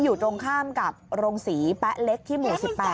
อยู่ตรงข้ามกับโรงศรีแป๊ะเล็กที่หมู่๑๘